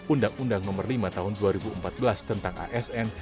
undang undang nomor lima tahun dua ribu empat belas tentang asn